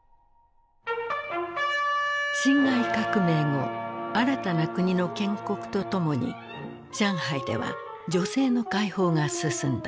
辛亥革命後新たな国の建国とともに上海では女性の解放が進んだ。